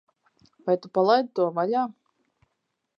Vai Tu palaidi to vaļā?